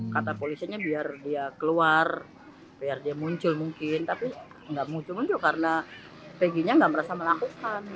kata polisinya biar dia keluar biar dia muncul mungkin tapi nggak muncul muncul karena pg nya nggak merasa melakukan